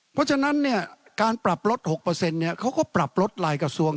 เพราะฉะนั้นการปรับลด๖เขาก็ปรับลดหลายกระทรวง